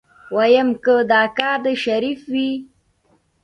ويم که دا کار د شريف وي.